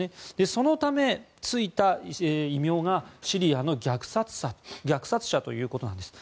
そのため、ついた異名がシリアの虐殺者ということなんです。